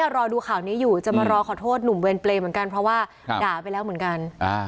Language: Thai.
รอดูข่าวนี้อยู่จะมารอขอโทษหนุ่มเวรเปรย์เหมือนกันเพราะว่าด่าไปแล้วเหมือนกัน